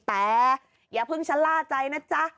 แต่อย่าเพิ่งชะล่าใจนะจ๊ะ